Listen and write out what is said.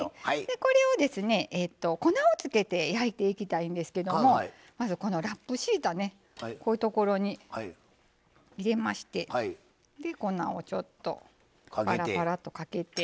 これを、粉をつけて焼いていきたいんですけどもラップ敷いたこういうところに入れまして粉をちょっとパラパラとかけて。